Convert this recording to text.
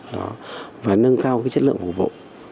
đó và nâng cao cái chất lượng phục vụ